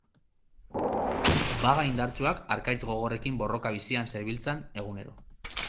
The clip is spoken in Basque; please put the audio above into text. Baga indartsuak harkaitz gogorrekin borroka bizian zebiltzan egunero.